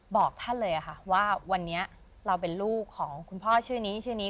บอกท่านเลยค่ะว่าวันนี้เราเป็นลูกของคุณพ่อชื่อนี้ชื่อนี้